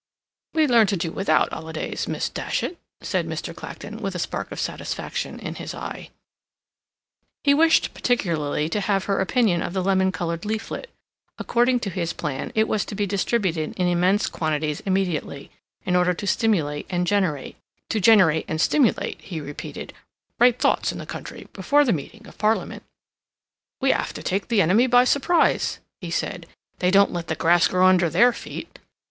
"We learn to do without holidays, Miss Datchet," said Mr. Clacton, with a spark of satisfaction in his eye. He wished particularly to have her opinion of the lemon colored leaflet. According to his plan, it was to be distributed in immense quantities immediately, in order to stimulate and generate, "to generate and stimulate," he repeated, "right thoughts in the country before the meeting of Parliament." "We have to take the enemy by surprise," he said. "They don't let the grass grow under their feet.